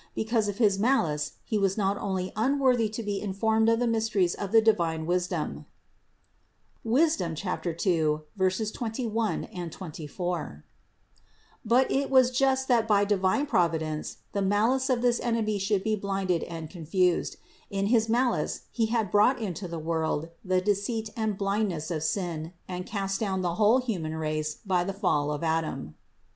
Be cause of his malice he was not only unworthy to be informed of the mysteries of the divine wisdom (Wisd. 2, 21, 24) ; but it was just that by divine Providence the malice of this enemy should be blinded and confused ; in his malice he had brought into the world the deceit and 420 THE INCARNATION 421 blindness of sin and cast down the whole human race by the fall of Adam.